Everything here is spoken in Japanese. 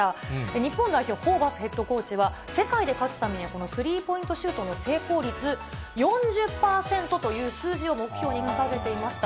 日本代表、ホーバスヘッドコーチは世界で勝つためには、スリーポイントシュートの成功率４０％という数字を目標に掲げていました。